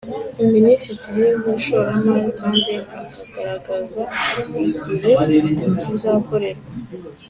Minisitiri w Ishoramari Kandi Akagaragaza Igihe bizakorerwa